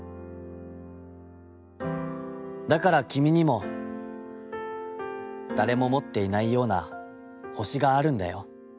だからきみにも、誰も持っていないような星があるんだよ』。